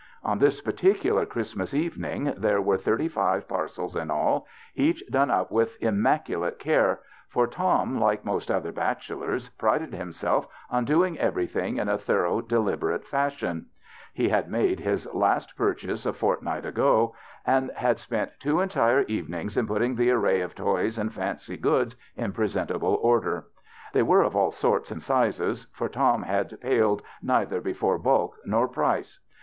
On this particular Christmas evening there were thirty five par cels in all, each done up with immaculate care, for Tom, like most other bachelors, prided himself on doing everything in a thor ough, deliberate fashion. He had made his last purchase a fortnight ago, and had spent THE BACHELOR'S CHRISTMAS 7 two entire evenings in putting the array of toys and fancy goods in presentable order. They were of all sorts and sizes, for Tom had paled neither before bulk nor price.